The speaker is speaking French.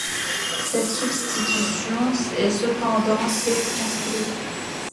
Cette substitution est cependant circonscrite.